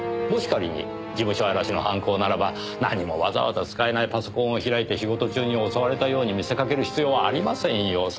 もし仮に事務所荒らしの犯行ならば何もわざわざ使えないパソコンを開いて仕事中に襲われたように見せかける必要はありませんよ。